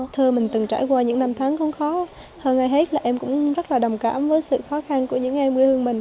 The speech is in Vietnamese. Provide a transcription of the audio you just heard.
thưa mình từng trải qua những năm tháng không khó hơn ai hết là em cũng rất là đồng cảm với sự khó khăn của những em quê hương mình